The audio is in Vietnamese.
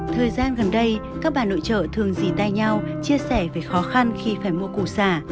thời gian gần đây các bà nội trợ thường dì tay nhau chia sẻ về khó khăn khi phải mua củ xả